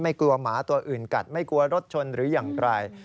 กลัวหมาตัวอื่นกัดไม่กลัวรถชนหรือยังไกล